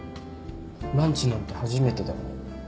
ランチなんて初めてだよね？